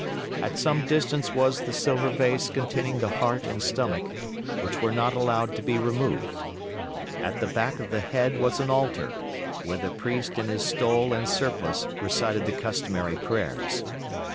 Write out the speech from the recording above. At some distance was the silver vase containing the heart and stomach, which were not allowed to be removed. At the back of the head was an altar, where the priest in his stole and surplice recited the customary prayers.